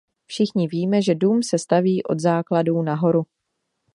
Všichni víme, že dům se staví od základů nahoru.